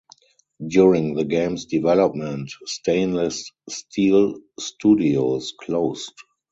During the game's development, Stainless Steel Studios closed.